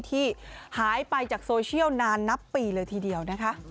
ที่หายไปจากโซเชียลนานนับปีเลยทีเดียวนะคะ